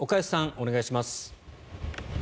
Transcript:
お願いします。